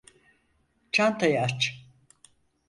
Çantayı aç.